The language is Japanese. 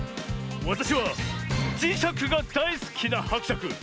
わたしはじしゃくがだいすきなはくしゃく。